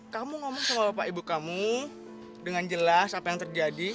kamu ngomong sama bapak ibu kamu dengan jelas apa yang terjadi